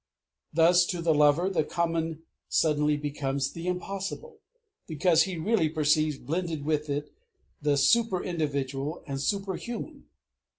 Thus to the lover the common suddenly becomes the impossible, because he really perceives blended with it the superindividual and superhuman.